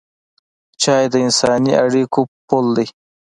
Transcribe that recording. چای د انساني اړیکو پل دی.